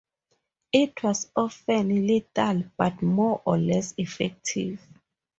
It was often lethal, but more or less effective.